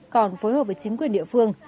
còn phối hợp với chính quyền địa phương